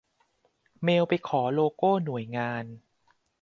เมลไปขอโลโก้หน่วยงาน